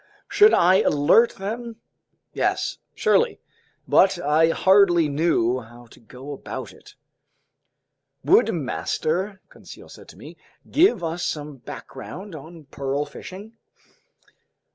Should I alert them? Yes, surely, but I hardly knew how to go about it. "Would master," Conseil said to me, "give us some background on pearl fishing?"